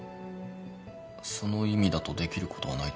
その意味だとできることはないと思います。